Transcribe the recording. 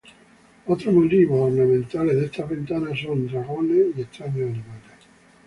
Otros motivos ornamentales de estas ventanas son dragones y extraños animales.